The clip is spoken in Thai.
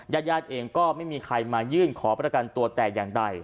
ญาติญาติเองก็ไม่มีใครมายื่นขอประกันตัวแต่อย่างใด